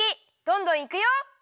どんどんいくよ！